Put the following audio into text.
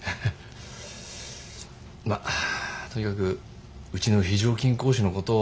まあとにかくうちの非常勤講師のことを。